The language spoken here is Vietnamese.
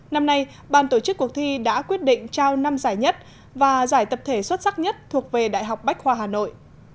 năm nay ban tổ chức cuộc thi đã quyết định trao năm giải nhất và giải tập thể xuất sắc nhất thuộc về đại học bách khoa hà nội